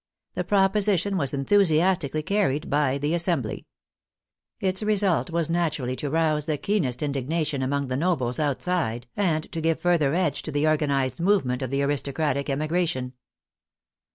The proposition was enthusiastically carried by the Assembly. Its result was naturally to rouse the keenest indignation among the nobles outside and to give further edge to the organized movement of aristocratic emigration.